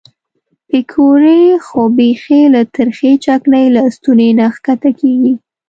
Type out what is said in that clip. پیکورې خو بیخي له ترخې چکنۍ له ستوني نه ښکته کېږي.